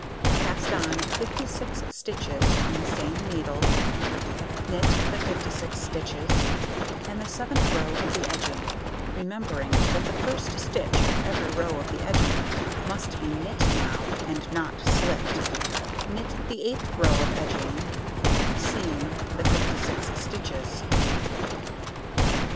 Cast on 56 stitches on the same needle, knit the 56 stitches, and the 7th row of the edging (remembering that the first stitch of every row of the edging must be knit now, and not slipped), knit the 8th row of edging, seam the 56 stitches.